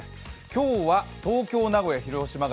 今日は東京、名古屋、広島で